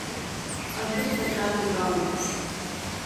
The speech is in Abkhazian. Ажәытә-аҿатә игәалашәеит.